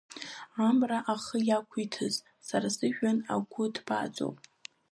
Амра ахы иақәиҭыз, сара сыжәҩан агәы ҭбааӡоуп.